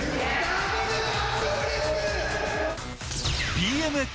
ＢＭＸ